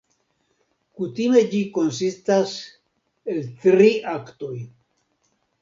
Kutime ĝi konsistas el tri aktoj.